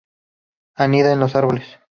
Anida en los árboles.